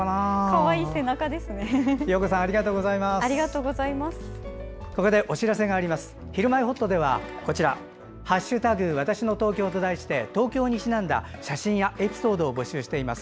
わたしの東京」と題して東京にちなんだ写真やエピソードを募集しています。